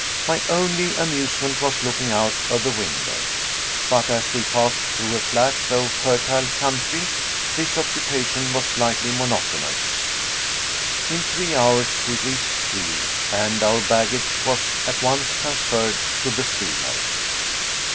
My only amusement was looking out of the window. But as we passed through a flat though fertile country, this occupation was slightly monotonous. In three hours we reached Kiel, and our baggage was at once transferred to the steamer.